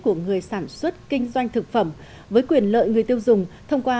của người sản xuất kinh doanh thực phẩm với quyền lợi người tiêu dùng thông qua